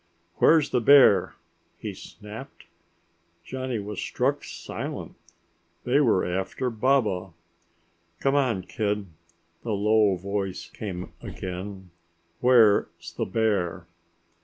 "Where's the bear?" he snapped. Johnny was struck silent. They were after Baba! "Come on, kid," the low voice came again, "where's the bear?"